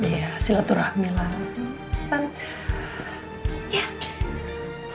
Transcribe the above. iya silaturahmi lah